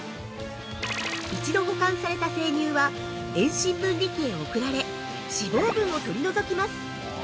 ◆一度保管された生乳は、遠心分離器へ送られ、脂肪分を取り除きます。